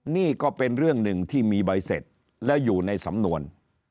นี่ก็เป็นเรื่องหนึ่งที่มีใบเสร็จและอยู่ในสำนวน